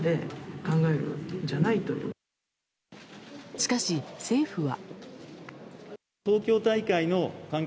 しかし、政府は。